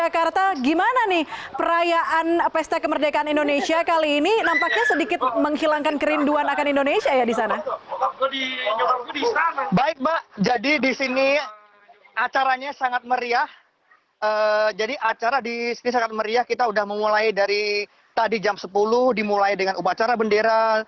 kita sudah memulai dari jam sepuluh dimulai dengan upacara bendera